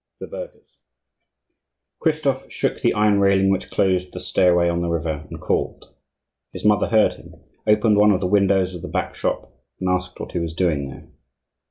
THE BURGHERS Christophe shook the iron railing which closed the stairway on the river, and called. His mother heard him, opened one of the windows of the back shop, and asked what he was doing there.